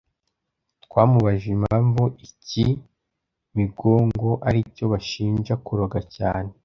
Twamubajije impamvu icy’i Migongo aricyo bashinja kuroga cyane